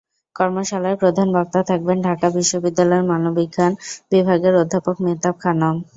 কর্মশালার প্রধান বক্তা থাকবেন ঢাকা বিশ্ববিদ্যালয়ের মনোবিজ্ঞান বিভাগের অধ্যাপক মেহতাব খানম।